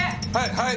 はい。